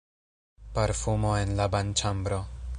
Parfumo en la banĉambro.